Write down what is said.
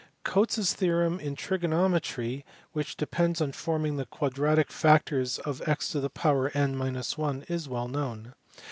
Cotes s theorem in trigonometry, which depends on forming the quadratic factors of ,*:" I, is well known.